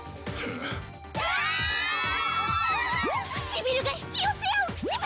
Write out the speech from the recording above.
唇が引き寄せ合う口紅！？